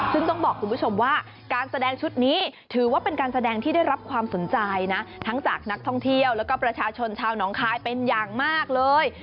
ซึ่งต้องบอกคุณผู้ชมว่าการแสดงชุดนี้ถือว่าเป็นการแสดงที่ได้รับความสนใจนะทั้งจากนักท่องเที่ยวแล้วก็ประชาชนชาวหนองคายเป็นอย่างมากเลย